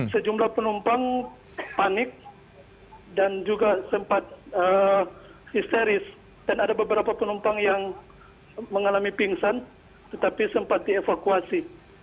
sejumlah penumpang panik dan juga sempat histeris dan ada beberapa penumpang yang mengalami pingsan tetapi sempat dievakuasi